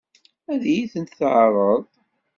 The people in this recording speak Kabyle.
Ad iyi-tent-teɛṛeḍ?